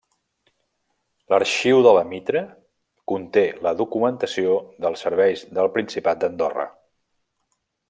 L'Arxiu de la Mitra conté la documentació dels serveis del principat d'Andorra.